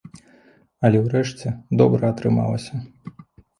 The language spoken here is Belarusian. Але ўрэшце добра атрымалася.